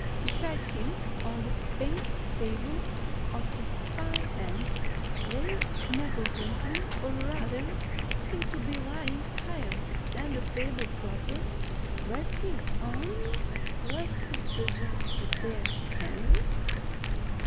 Beside him on the painted table one of his fine hands lay negligently or rather, seemed to be lying higher than the table proper, resting on ... was it just bare canvas?